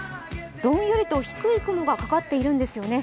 どんよりと低い雲がかかってるんですよね。